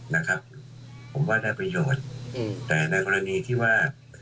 นะครับผมว่าได้ประโยชน์อืมแต่ในกรณีที่ว่า